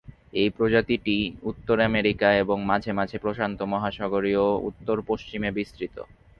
এই প্রজাতিটি উত্তর আমেরিকা এবং মাঝে মাঝে প্রশান্ত মহাসাগরীয় উত্তর-পশ্চিমে বিস্তৃত।